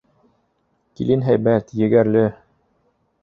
Килен һәйбәт, егәрле.